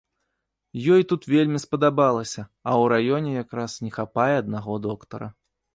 Ёй тут вельмі спадабалася, а ў раёне якраз не хапае аднаго доктара.